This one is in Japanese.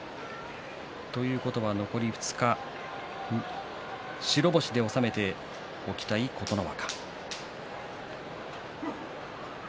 残り２日、白星で収めておきたい琴ノ若。